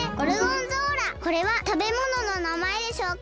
これはたべものの名前でしょうか。